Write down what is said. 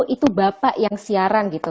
itu bapak yang siaran gitu